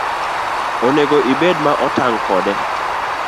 Onego ibed ma otang' kode